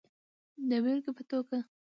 د بېلګې په توګه